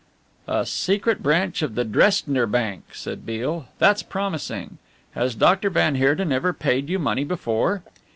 "A secret branch of the Dresdner Bank," said Beale. "That's promising. Has Doctor Van Heerden ever paid you money before?"